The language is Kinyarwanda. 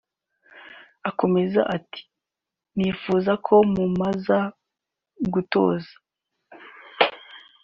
Akomeza ati “Nifuza ko mumaze gutozwa